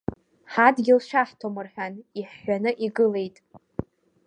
Ҳадгьыл шәаҳҭом рҳәан иҳәҳәаны игылеит.